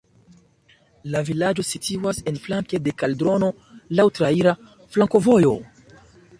La vilaĝo situas en flanke de kaldrono, laŭ traira flankovojo.